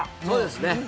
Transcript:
そうですね。